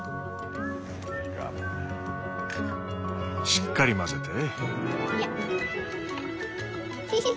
しっかり混ぜて。